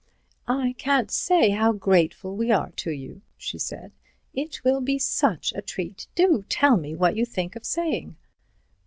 "I can't say how grateful we are to you," she said, "it will be such a treat. Do tell me what you think of saying."